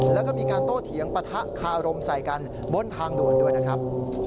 แล้วก็มีการโต้เถียงปะทะคารมใส่กันบนทางด่วนด้วยนะครับ